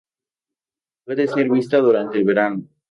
Puede ser vista durante el verano.